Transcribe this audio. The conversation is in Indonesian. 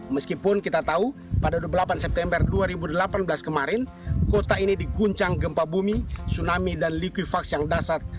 meskipun kita tahu pada dua puluh delapan september dua ribu delapan belas kemarin kota ini diguncang gempa bumi tsunami dan likuifax yang dasar